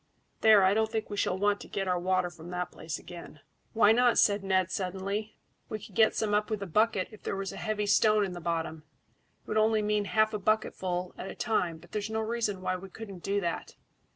There, I don't think we shall want to get our water from that place again." "Why not?" said Ned suddenly. "We could get some up with a bucket if there was a heavy stone in the bottom. It would only mean half a bucketful at a time, but there's no reason why we couldn't do that."